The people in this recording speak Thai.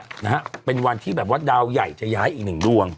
นะฮะเป็นวันที่แบบว่าดาวใหญ่จะย้ายอีกหนึ่งดวง